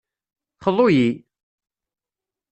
Xḍu-yi!